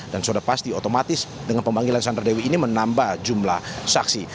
dan sudah pasti otomatis dengan pemanggilan sandra dewi ini menambah jumlah saksi